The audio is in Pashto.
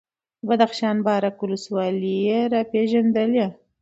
د بدخشان بارک ولسوالي یې راپېژندلې،